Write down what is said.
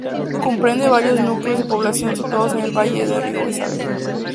Comprende varios núcleos de población situados en el valle del río Isábena.